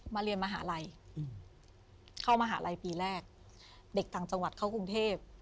เรียนมหาลัยเข้ามหาลัยปีแรกเด็กต่างจังหวัดเข้ากรุงเทพ